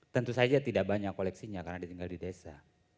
tentu saja tidak banyak koleksinya karena ditinggal di desa